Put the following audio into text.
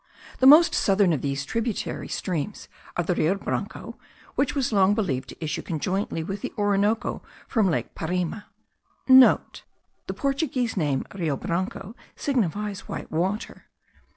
The most southern of these tributary streams are the Rio Branco,* which was long believed to issue conjointly with the Orinoco from lake Parime (* The Portuguese name, Rio Branco, signifies White Water.